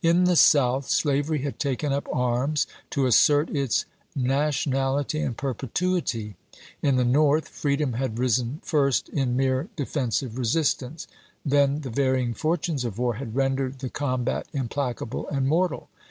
Ill the South slavery had taken up arms to assert its nationality and perpetuity ; in the North free dom had risen first in mere defensive resistance; then the varying fortunes of war had rendered the combat implacable and mortal.